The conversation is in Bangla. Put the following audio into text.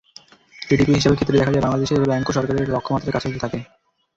জিডিপির হিসাবের ক্ষেত্রে দেখা যায়, বাংলাদেশ ব্যাংকও সরকারের লক্ষ্যমাত্রার কাছাকাছি থাকে।